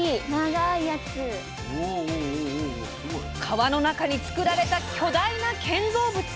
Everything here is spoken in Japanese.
川の中に作られた巨大な建造物。